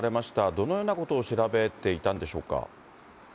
どのようなことを調べていたんでしょうか。